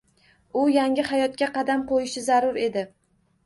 U yangi hayotga qadam qoʻyishi zarur edi